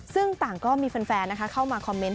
ซึ่งต่างก็มีแฟนเข้ามาคอมเมนต